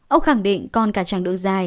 ông khẳng định còn cả chặng đường dài